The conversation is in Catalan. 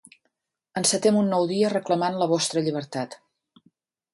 Encetem un nou dia reclamant la vostra llibertat.